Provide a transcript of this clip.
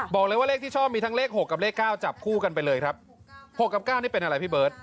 บอกเลยว่าเลขที่ชอบมีทั้งเลข๖กับเลขเก้าจับคู่กันไปเลยครับ๖กับ๙นี่เป็นอะไรพี่เบิร์ต